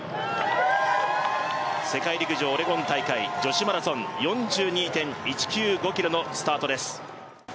世界陸上オレゴン大会女子マラソン４２．１９５ｋｍのスタートです。